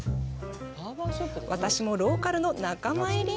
私もローカルの仲間入り？